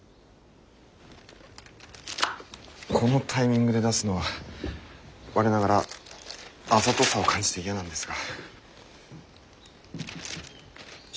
このタイミングで出すのは我ながらあざとさを感じて嫌なんですが。